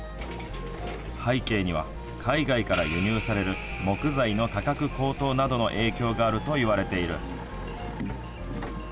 背景には、海外から輸入される木材の価格高騰などの影響があると言われている。